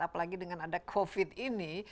apalagi dengan ada covid ini